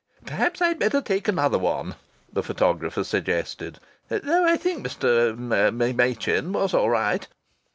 "Perhaps I'd better take another one?" the photographer suggested, "though I think Mr. er Machin was all right."